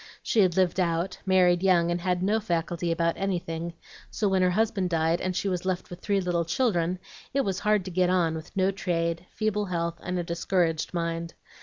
She had lived out, married young, and had no faculty about anything; so when her husband died, and she was left with three little children, it was hard to get on, with no trade, feeble health, and a discouraged mind.